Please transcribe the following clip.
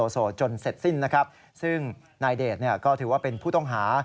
ซึ่งนายเดชน์ก็ถือว่าเป็นผู้ต้องหา